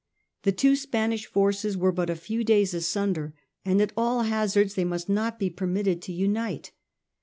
The two Spanish forces were but a few days asunder, and at aU hazards they must not be permitted to unite.